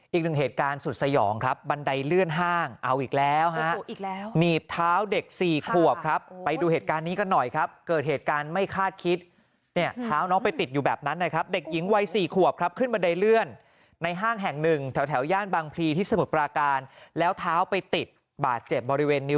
อีกหนึ่งเหตุการณ์สุดสยองครับบันไดเลื่อนห้างเอาอีกแล้วฮะหนีบเท้าเด็กสี่ขวบครับไปดูเหตุการณ์นี้กันหน่อยครับเกิดเหตุการณ์ไม่คาดคิดเนี่ยเท้าน้องไปติดอยู่แบบนั้นนะครับเด็กหญิงวัยสี่ขวบครับขึ้นบันไดเลื่อนในห้างแห่งหนึ่งแถวย่านบางพลีที่สมุทรปราการแล้วเท้าไปติดบาดเจ็บบริเวณนิ้